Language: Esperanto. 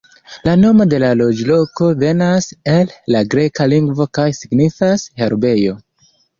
La nomo de la loĝloko venas el la greka lingvo kaj signifas "herbejo".